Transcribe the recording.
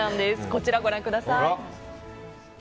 こちらをご覧ください。